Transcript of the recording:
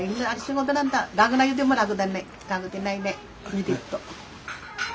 見てっと。